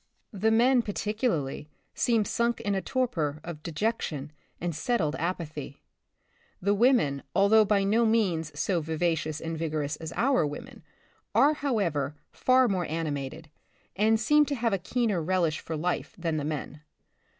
The men, particularly, seem sunk in a torpor of dejection and settled apa thy. The women, although by no means so vivacious and vigorous as our women, are, how ever, far more animated, and seem to have a keener relish for life, than the men.